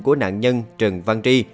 của nạn nhân trần văn tri